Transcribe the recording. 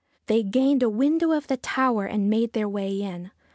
They gained a window of the tower and made their way in.